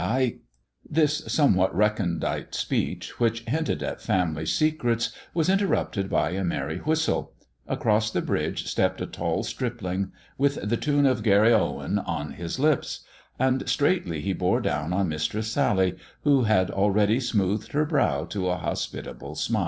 I " This somewhat recondite speech, which hinted at family secrets, was interrupted by a merry whistle. Across the bridge stepped a tall stripling with the tune of " Garryowen " on his lips ; and straightly he bore down on Mistress Sally, who had already smoothed her brow to a hospitable smile.